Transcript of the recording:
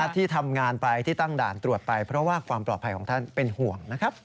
ที่ทำงานไปที่ตั้งด่านตรวจไปเพราะว่าความปลอดภัยของท่านเป็นห่วงนะครับ